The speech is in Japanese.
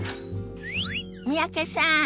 三宅さん